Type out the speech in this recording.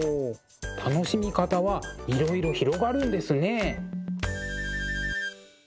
楽しみ方はいろいろ広がるんですね。